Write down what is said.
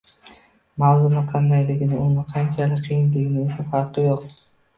Mavzuni qandayligini, uni qanchalik qiyinligini esa farqi yo‘q.